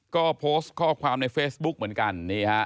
ก็โพสต์ข้อความในเฟซบุ๊กเหมือนกันนี่ฮะ